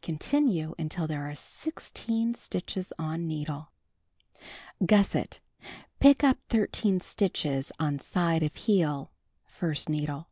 Continue until there are 16 stitches on needle. Gusset : Pick up 13 stitches on side of heel. (1st needle.)